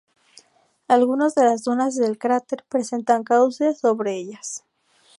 Algunos de las dunas del cráter presentan causes sobre ellas.